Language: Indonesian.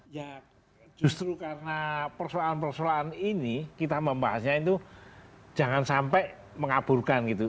ya justru karena persoalan persoalan ini kita membahasnya itu jangan sampai mengaburkan gitu